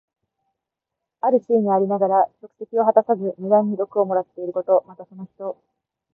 ある地位にありながら職責を果たさず、無駄に禄をもらっていること。また、その人。